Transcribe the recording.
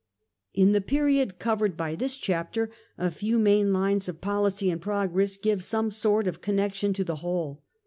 In the period covered by this chapter, a few main General lines of policy and progress give some sort of connection of Italian to the whole.